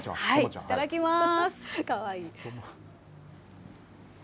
いただきます。